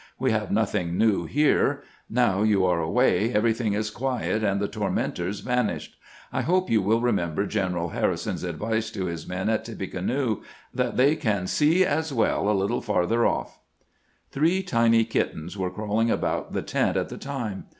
We have nothing new here. Now you are away, everything is quiet and the tormen tors vanished. I hope you wiU remember General Har rison's advice to his men at Tippecanoe, that they can " see as well a little farther off." '" Three tiny kittens were crawling about the tent at the time.